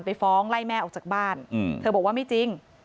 ไปฟ้องไล่แม่ออกจากบ้านเธอบอกว่าไม่จริง